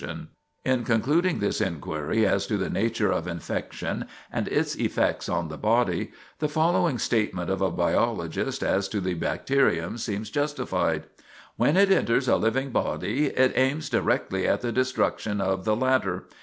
[Sidenote: Bacteria Aim to Destroy the Body] In concluding this inquiry as to the nature of infection and its effects on the body, the following statement of a biologist as to the bacterium seems justified: "When it enters a living body, it aims directly at the destruction of the latter.